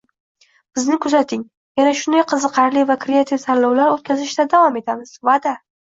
Bizni kuzating, yana shunday qiziqarli va kreativ tanlovlar oʻtkazishda davom etamiz – vaʼda!